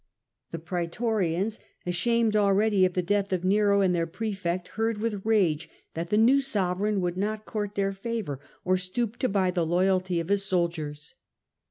The praetorians, ashamed already of the death of Nero and their prae fect, heard with rage that the new sovereign would not court their favour or stoop to buy the loyalty of his soldiers.